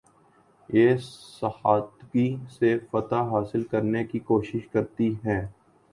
بے ساختگی سے فتح حاصل کرنے کی کوشش کرتی ہیں